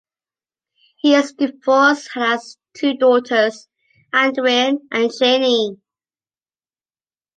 He is divorced and has two daughters, Andreane and Janie.